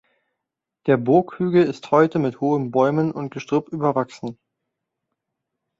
Der Burghügel ist heute mit hohen Bäumen und Gestrüpp überwachsen.